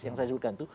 yang saya sebutkan itu